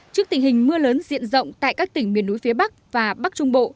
trước tình hình mưa lớn diện rộng tại các tỉnh miền núi phía bắc và bắc trung bộ